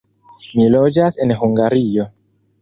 Mi loĝas en Hungario.